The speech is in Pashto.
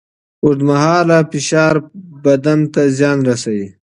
اوږدمهاله فشار بدن ته زیان رسوي.